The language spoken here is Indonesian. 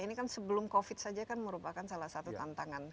ini kan sebelum covid saja kan merupakan salah satu tantangan